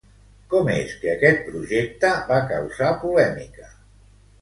Com és que aquest projecte va causar polèmica?